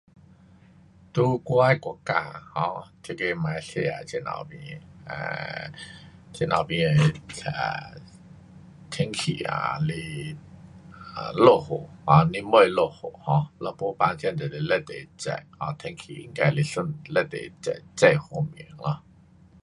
在我的国家，um 这个马来西亚这头边，呃，这头边的，啊，天气啊，是啊落雨啊，年尾落雨 um 若没办这就是非常热，um 天气应该是算非常热，这方面 um。